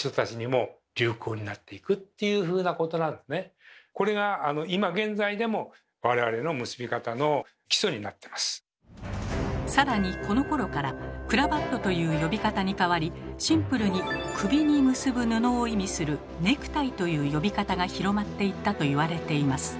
彼らの間ではやっていたと言われるのがさらにこのころからクラヴァットという呼び方に代わりシンプルに首に結ぶ布を意味する「ネクタイ」という呼び方が広まっていったと言われています。